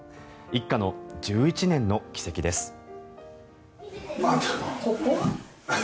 一家の１１年の軌跡です。